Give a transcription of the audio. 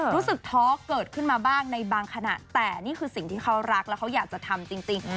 ท้อเกิดขึ้นมาบ้างในบางขณะแต่นี่คือสิ่งที่เขารักแล้วเขาอยากจะทำจริง